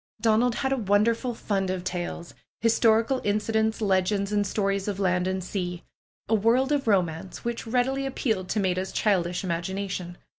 Donald had a wonderful fund of tales; historical in cidents, legends and stories of land and sea; a world of romance, which readily appealed to Maida's childish imagination.